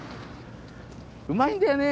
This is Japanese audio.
うまいんだよね